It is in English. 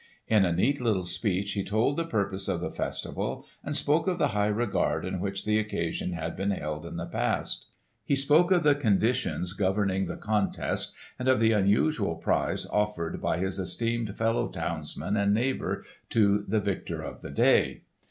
In a neat little speech he told the purpose of the festival and spoke of the high regard in which the occasion had been held in the past. He spoke of the conditions governing the contest, and of the unusual prize offered by his esteemed fellow townsman and neighbour to the victor of the day.